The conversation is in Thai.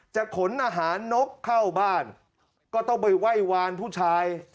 ขนอาหารนกเข้าบ้านก็ต้องไปไหว้วานผู้ชาย